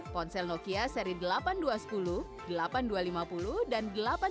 ponsel nokia seri delapan ratus dua puluh delapan ribu dua ratus lima puluh dan delapan ribu tiga ratus sepuluh